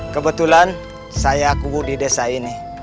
kebetulan saya kubu di desa ini